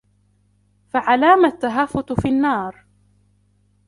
فَعَلَامَ التَّهَافُتُ فِي النَّارِ